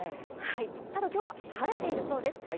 ただ今日は晴れているそうです。